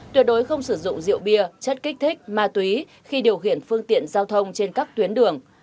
tuyệt đối không sử dụng rượu bia chất kích thích ma túy khi điều khiển phương tiện giao thông trên các tuyến đường